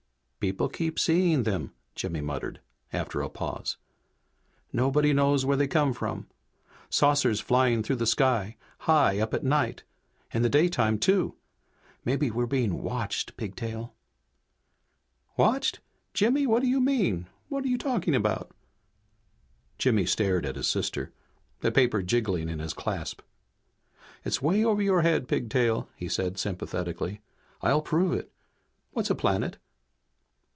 '" "People keep seeing them!" Jimmy muttered, after a pause. "Nobody knows where they come from! Saucers flying through the sky, high up at night. In the daytime, too! Maybe we're being watched, Pigtail!" "Watched? Jimmy, what do you mean? What you talking about?" Jimmy stared at his sister, the paper jiggling in his clasp. "It's way over your head, Pigtail!" he said sympathetically. "I'll prove it! What's a planet?"